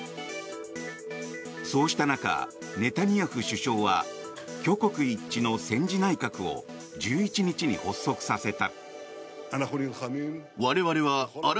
そうした中、ネタニヤフ首相は挙国一致の戦時内閣を１１日に発足させた。